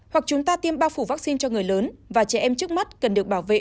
hoặc chúng ta tiêm bao phủ vaccine cho người lớn và trẻ em trước mắt cần được bảo vệ